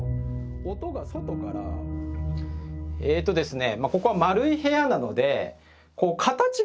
えっとですね